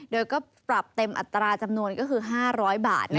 โดยก็ปรับเต็มอัตราจำนวนก็คือ๕๐๐บาท